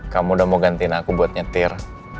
kamu udah mau gantiin aku buat nyetir